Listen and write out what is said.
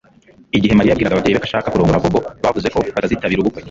Igihe Mariya yabwiraga ababyeyi be ko ashaka kurongora Bobo bavuze ko batazitabira ubukwe